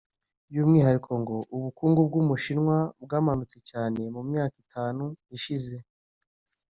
By’umwihariko ngo ubukungu bw’u Bushinwa bwamanutse cyane mu myaka itanu ishize